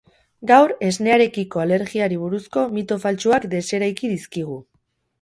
Gaur esnearekiko alergiari buruzko mito faltsuak deseraiki dizkigu.